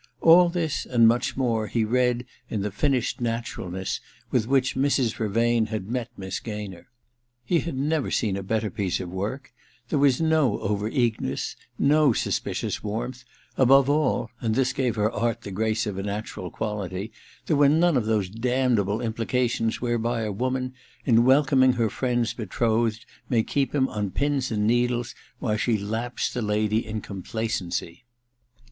All this, and much more, he read in the finished naturalness with which Mrs. Vervain had met Miss Gaynor. He had never seen a better piece of work : there was no over eagerness, no suspicious warmth, above all (and this gave her art the grace of a natural quality) s 268 THE DILETTANTE there were none of those damnable implications whereby a woman, in welcoming her friend's betrothed, may keep him on pins and needles while she laps the lady in complacency.